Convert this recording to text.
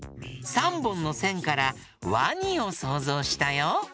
３ぼんのせんからワニをそうぞうしたよ。